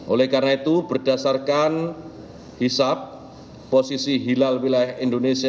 oleh karena itu berdasarkan hisap posisi hilal wilayah indonesia